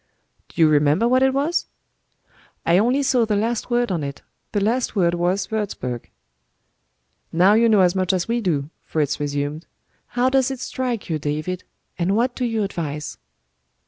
"Do you remember what it was?" "I only saw the last word on it. The last word was 'Wurzburg.'" "Now you know as much as we do," Fritz resumed. "How does it strike you, David? And what do you advise?"